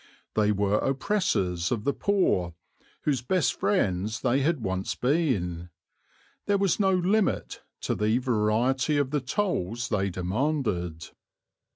They were oppressors of the poor, whose best friends they had once been; there was no limit to the variety of the tolls they demanded.